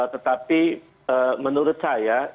tetapi menurut saya